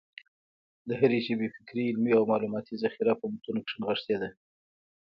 د هري ژبي فکري، علمي او معلوماتي ذخیره په متونو کښي نغښتې ده.